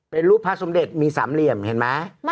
เป็นรูปพระสมเด็จมีสามเหลี่ยมเห็นไหม